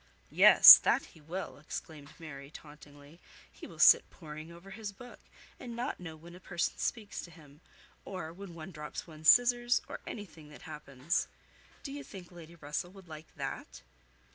"Yes, that he will!" exclaimed Mary, tauntingly. "He will sit poring over his book, and not know when a person speaks to him, or when one drops one's scissors, or anything that happens. Do you think Lady Russell would like that?"